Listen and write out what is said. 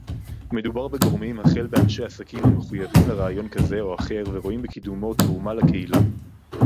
מדובר בגורמים החל באנשי עסקים המחויבים לרעיון כזה או אחר ורואים בקידומו תרומה לקהילה